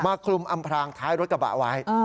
คลุมอำพรางท้ายรถกระบะไว้